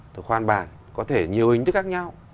thì khoan bàn có thể nhiều hình thức khác nhau